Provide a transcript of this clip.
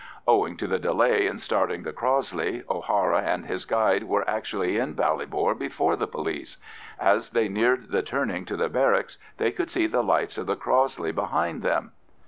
Owing to the delay in starting the Crossley, O'Hara and his guide were actually in Ballybor before the police: as they neared the turning to the barracks they could see the lights of the Crossley behind them.